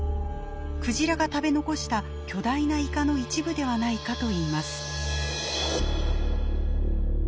クジラが食べ残した巨大なイカの一部ではないかといいます。